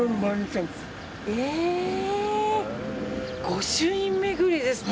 御朱印巡りですか。